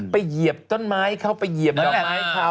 เหยียบต้นไม้เข้าไปเหยียบต้นไม้เขา